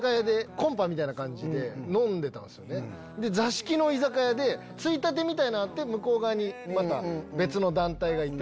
座敷の居酒屋でついたてみたいなんあって向こう側にまた別の団体がいて。